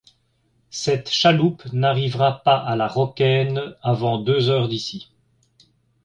Cette chaloupe n’arrivera pas à la Rocquaine avant deux heures d’ici.